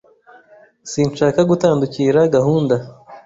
Sinshaka gutandukira gahunda